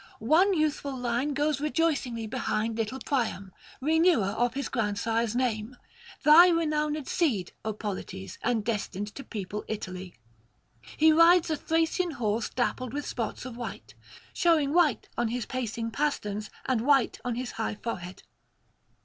One youthful line goes rejoicingly behind little Priam, renewer of his grandsire's name, thy renowned seed, O Polites, and destined to people Italy; he rides a Thracian horse dappled with spots of white, showing white on his pacing pasterns and white on his high forehead.